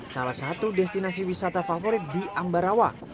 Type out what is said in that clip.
salah satu destinasi wisata favorit di ambarawa